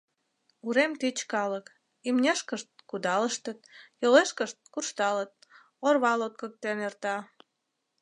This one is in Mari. Урем тич калык: имнешкышт — кудалыштыт, йолешкышт — куржталыт, орва лоткыктен эрта.